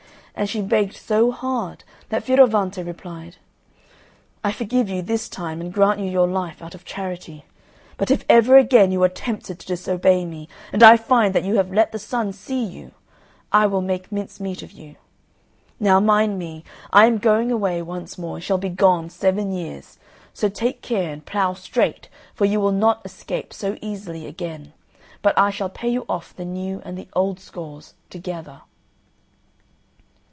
And she begged so hard that Fioravante replied, "I forgive you this time, and grant you your life out of charity, but if ever again you are tempted to disobey me, and I find that you have let the sun see you, I will make mincemeat of you. Now, mind me; I am going away once more, and shall be gone seven years. So take care and plough straight, for you will not escape so easily again, but I shall pay you off the new and the old scores together."